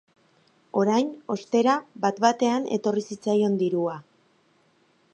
Orain, ostera, bat-batean etorri zitzaion dirua.